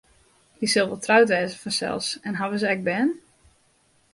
Hy sil wol troud wêze fansels en hawwe se ek bern?